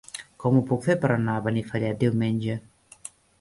Com ho puc fer per anar a Benifallet diumenge?